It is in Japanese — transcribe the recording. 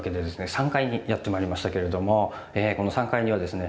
３階にやって参りましたけれどもこの３階にはですね